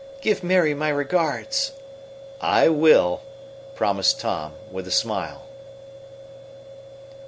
Give Mary my regards." "I will," promised Tom, with a smile.